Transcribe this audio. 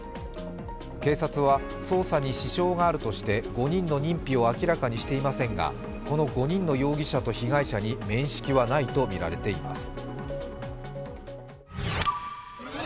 警察は捜査に支障があるとして５人の認否を明らかにしていませんがこの５人の容疑者と被害者に面識はないと見られています。